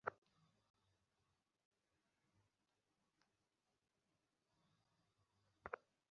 সে প্রমাণ পুড়িয়ে ফেলছে।